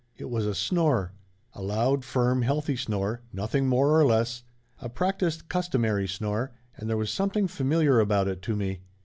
It was a snore; a loud, firm, healthy snore, nothing more nor less; a practiced, customary snore, and there was something familiar about it to me.